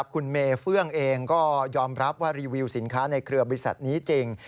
คุณเมเฟื่องเองก็ยอมรับว่ารีวิวสินค้าในเครือบริษัทนี้จริง